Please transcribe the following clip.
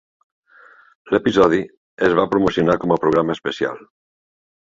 L'episodi es va promocionar com a programa especial.